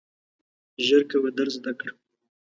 ژر کوه درس زده کړه !